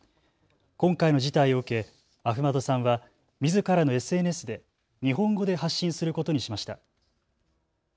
今回の事態を受けアフマドさんはみずからのＳＮＳで日本語で発信することにしました。